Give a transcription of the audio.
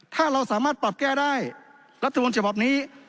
ถ้าเราสามารถปรับแก้ได้รัฐธรรมชภาพนี้